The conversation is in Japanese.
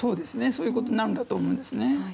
そういうことになるんだと思うんですね。